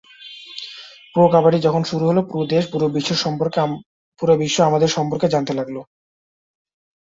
প্রো-কাবাডি যখন শুরু হলো, পুরো দেশ, পুরো বিশ্ব আমাদের সম্পর্কে জানতে লাগল।